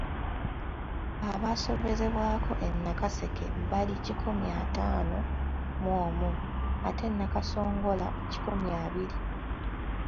Abaasobezebwako e Nakaseke bali kikumi ataano mu omu ate e Nakasongola kikumi abiri.